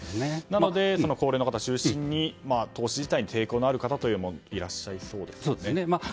なので高齢の方中心に投資自体に抵抗のある方もいらっしゃりそうですよね。